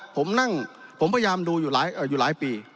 ผมนั่งผมพยายามดูอยู่หลายปี